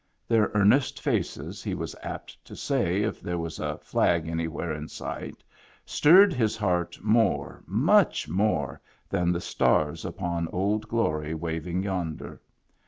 Their earnest faces, he was apt to say if there was a flag any where in sight, stirred his heart more, much more than the stars upon Old Glory waving yonder.